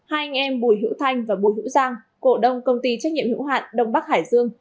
hai anh em bùi hữu thanh và bùi hữu giang cổ đông công ty trách nhiệm hữu hạn đông bắc hải dương